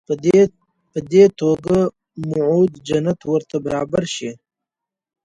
په دې توګه موعود جنت ورته برابر شي.